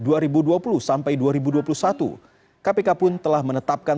kpk pun telah menetapkan sebuah kondisi yang berbeda